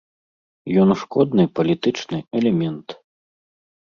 Ён шкодны палітычны элемент!